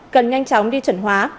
cần nhanh chóng đi chuẩn hóa